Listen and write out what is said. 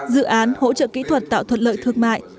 dự án hỗ trợ kỹ thuật tạo thuận lợi thương mại